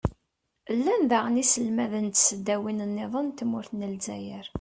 llan daɣen yiselmaden n tesdawin-nniḍen n tmurt n lezzayer.